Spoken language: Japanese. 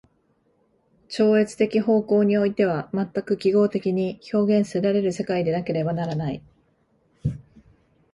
超越的方向においては全く記号的に表現せられる世界でなければならない。